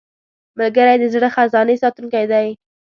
ملګری د زړه خزانې ساتونکی دی